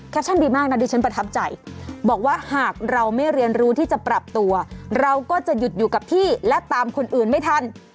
ดีมากนะดิฉันประทับใจบอกว่าหากเราไม่เรียนรู้ที่จะปรับตัวเราก็จะหยุดอยู่กับที่และตามคนอื่นไม่ทัน